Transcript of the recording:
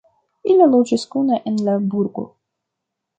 Ili loĝis kune en la burgo.